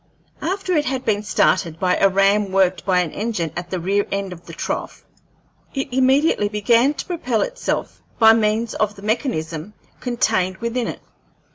After it had been started by a ram worked by an engine at the rear end of the trough, it immediately bean to propel itself by means of the mechanism contained within it.